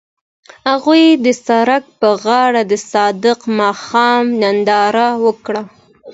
هغوی د سړک پر غاړه د صادق ماښام ننداره وکړه.